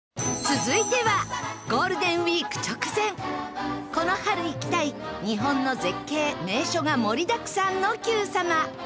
続いてはゴールデンウィーク直前この春行きたい日本の絶景・名所が盛りだくさんの『Ｑさま！！』。